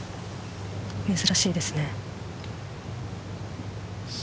珍しいですね。